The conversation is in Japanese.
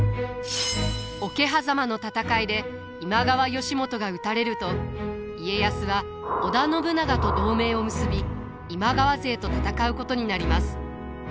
桶狭間の戦いで今川義元が討たれると家康は織田信長と同盟を結び今川勢と戦うことになります。